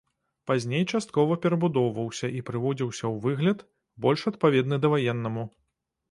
Пазней часткова перабудоўваўся і прыводзіўся ў выгляд, больш адпаведны даваеннаму.